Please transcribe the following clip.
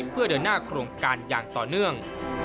เพื่อเดินหน้าโครงการอย่างต่อเนื่อง